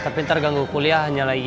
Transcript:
tapi ntar ganggu kuliahnya lagi